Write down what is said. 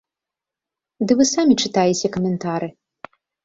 Ды вы самі чытаеце каментары.